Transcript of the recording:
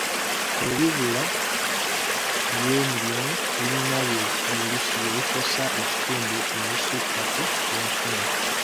Ebbula ly'emirimu lirina bye likosa ekitundu ebisukka ku byenfuna.